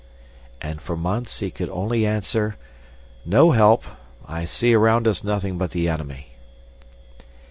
And for months he could only answer, "No help. I see around us nothing but the enemy."